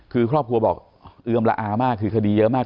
คือครอบครัวบอกเอือมละอามากคือคดีเยอะมาก